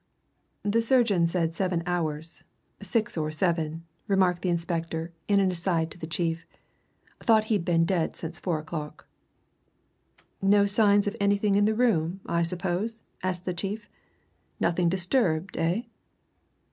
"The surgeon said several hours six or seven," remarked the inspector in an aside to the chief. "Thought he'd been dead since four o'clock." "No signs of anything in the room, I suppose?" asked the chief. "Nothing disturbed, eh?"